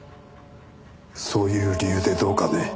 そういう理由でどうかね？